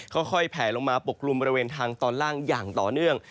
ค่อยแผลลงมาปกกลุ่มบริเวณทางตอนล่างอย่างต่อเนื่อง